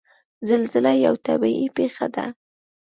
زلزله یوه طبعي پېښه ده.